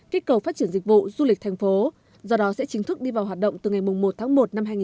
kích cầu phát triển dịch vụ du lịch thành phố do đó sẽ chính thức đi vào hoạt động từ ngày một tháng một năm hai nghìn hai mươi